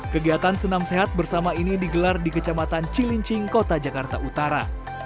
kegiatan senam sehat bersama ini digelar di kecamatan cilincing kota jakarta utara